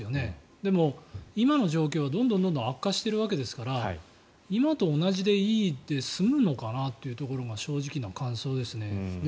でも、今の状況はどんどん悪化しているわけですから今と同じでいいで済むのかなというところが正直な感想ですね。